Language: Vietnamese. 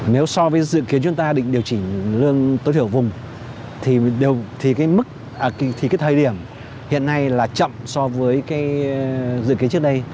nếu so với dự kiến chúng ta định điều chỉnh lương tối thiểu vùng thì cái thời điểm hiện nay là chậm so với cái dự kiến trước đây